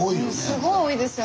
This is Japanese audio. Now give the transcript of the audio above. すごい多いですよ。